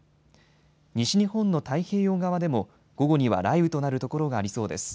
西日本の太平洋側でも午後には雷雨となる所がありそうです。